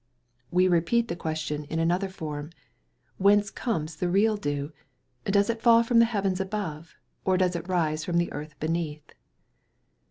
We repeat the question in another form, "Whence comes the real dew? Does it fall from the heavens above, or does it rise from the earth beneath?"